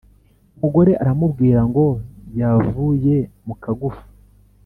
Umugore aramubwira ngo yavuye mu kagufa.